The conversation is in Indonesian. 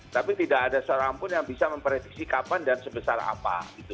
tapi tidak ada seorang pun yang bisa memprediksi kapan dan sebesar apa